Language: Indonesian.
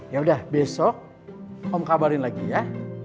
yaudah besok om kabarin lagi ya